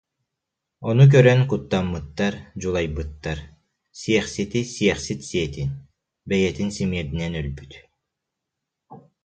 Ону көрөн куттаммыттар, дьулайбыттар: «Сиэхсити сиэхсит сиэтин, бэйэтин симиэрдинэн өлбүт»